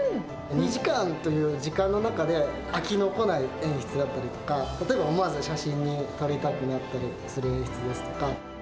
２時間という時間の中で、飽きのこない演出だったりとか、例えば思わず写真に撮りたくなったりする演出ですとか。